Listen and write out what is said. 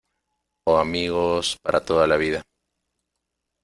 o amigos para toda la vida.